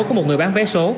của một người bán vé số